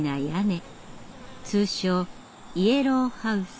通称「イエローハウス」。